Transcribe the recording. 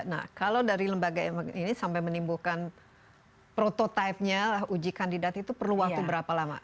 nah kalau dari lembaga yang ini sampai menimbulkan prototipe nya uji kandidat itu perlu waktu berapa lama